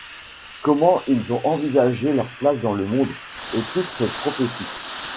Comment ils ont envisagé leur place dans le monde, et toute cette prophétie.